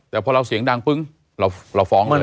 แต่พอเราเสียงดังปึ้งเราฟ้องเลย